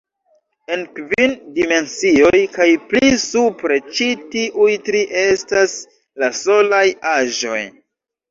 En kvin dimensioj kaj pli supre, ĉi tiuj tri estas la solaj aĵoj.